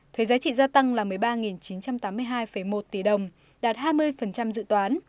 thuế giá trị gia tăng là một mươi ba chín trăm tám mươi hai một tỷ đồng đạt hai mươi dự toán